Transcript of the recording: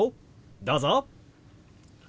どうぞ！